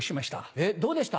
えっどうでした？